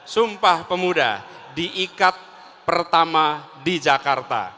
sumpah pemuda diikat pertama di jakarta